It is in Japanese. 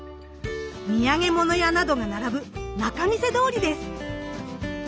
土産物屋などが並ぶ仲見世通りです。